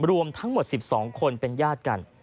รวมทั้งหมด๑๒คนเป็นญาติกัน